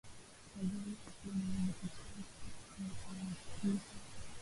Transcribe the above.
waziri osborn amejitetea watahakikisha